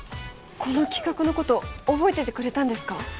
この企画のこと覚えててくれたんですか？